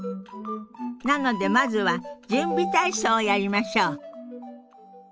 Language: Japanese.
なのでまずは準備体操をやりましょう。